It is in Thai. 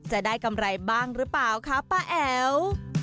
จะได้กำไรบ้างหรือเปล่าคะป้าแอ๋ว